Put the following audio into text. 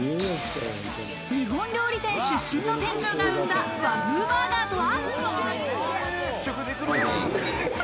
日本料理店出身の店長が生んだ和風バーガーとは？